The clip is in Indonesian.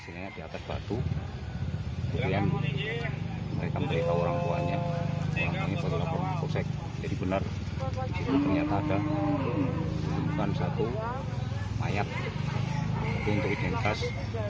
mayat mungkin teridentas